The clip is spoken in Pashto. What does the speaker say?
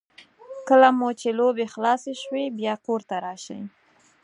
کله مو چې لوبې خلاصې شوې بیا کور ته راشئ.